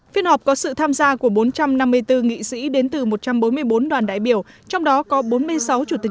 phiên họp có sự tham gia của bốn trăm năm mươi bốn nghị sĩ đến từ một trăm bốn mươi bốn đoàn đại biểu trong đó có bốn mươi sáu chủ tịch